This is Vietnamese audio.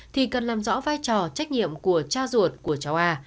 thì cần làm rõ vai trò trách nhiệm của cha ruột của cháu a